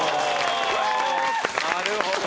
なるほど。